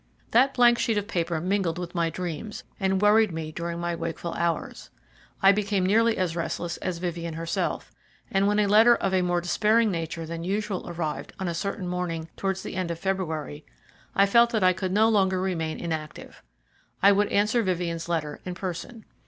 That blank sheet of paper mingled with my dreams and worried me during my wakeful hours. I became nearly as restless as Vivien herself, and when a letter of a more despairing nature than usual arrived on a certain morning towards the end of February, I felt that I could no longer remain inactive. I would answer Vivien's letter in person.